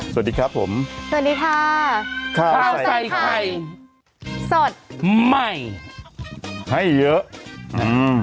สวัสดีครับผมสวัสดีค่ะข้าวใส่ไข่สดใหม่ให้เยอะอืม